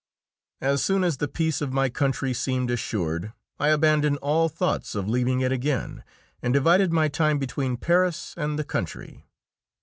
] As soon as the peace of my country seemed assured, I abandoned all thoughts of leaving it again, and divided my time between Paris and the country.